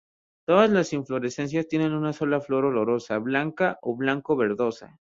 Todas las inflorescencias tienen una sola flor olorosa, blanca ó blanco-verdosa.